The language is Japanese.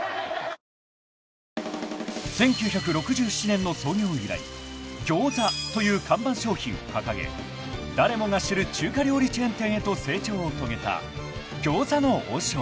［１９６７年の創業以来「餃子」という看板商品を掲げ誰もが知る中華料理チェーン店へと成長を遂げた餃子の王将］